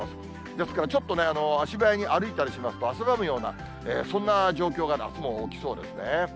ですから、ちょっとね、足早に歩いたりしますと、汗ばむような、そんな状況が夏も起きそうですね。